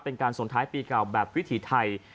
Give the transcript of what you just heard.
เป็นการส่งท้ายปีเก่าแบบวิถีไทย